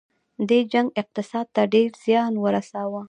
دې جنګ اقتصاد ته ډیر زیان ورساوه.